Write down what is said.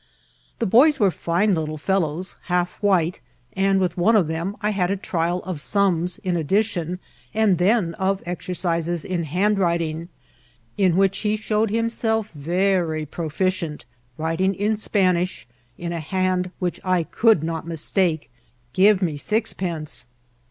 The boys were fine little fellows, half white ; Bnd with one of them I had a trial of sums in addition, and then of exercises in handwriting, in which he showed himself very proficient, writing in Spanish, in a hand which I could not mistake, ^^ Give me sixpence.''